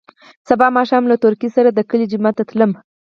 سبا ماښام له تورکي سره د کلي جومات ته تلم.